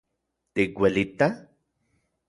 ¿Tikuelita?